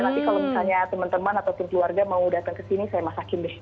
nanti kalau misalnya temen temen atau keluarga mau datang kesini saya masakin deh